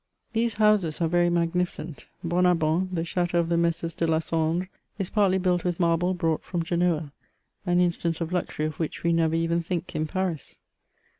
These houses are very magnificent : Bonabant, the chateau of the Messrs. de Lasandre, is partly built irith marble brought from Genoa, an instance of luxury of which we never even think in Paris.